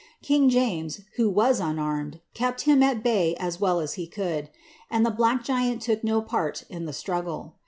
King James, who was unarmed, kept him at bay as well as he could ; and the black giant took no part in the struggle.